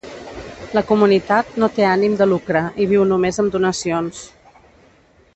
La comunitat no té ànim de lucre i viu només amb donacions.